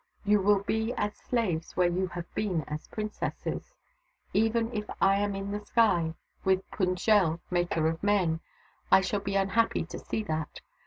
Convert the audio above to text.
You will be as slaves where you have been as princesses. Even if I am in the sky with Pund jel, Maker of Men, I shall be unhappy to see that.